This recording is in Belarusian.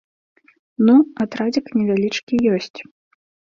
Ну, атрадзік невялічкі ёсць.